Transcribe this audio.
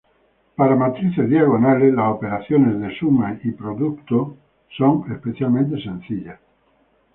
Las operaciones de suma y producto de matrices son especialmente sencillas para matrices diagonales.